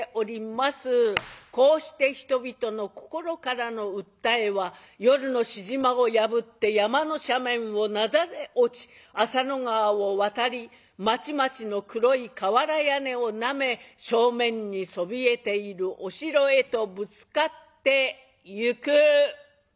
こうして人々の心からの訴えは夜のしじまを破って山の斜面をなだれ落ち浅野川を渡り町々の黒い瓦屋根をなめ正面にそびえているお城へとぶつかってゆく。